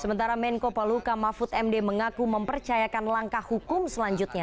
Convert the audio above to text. sementara menko paluka mahfud md mengaku mempercayakan langkah hukum selanjutnya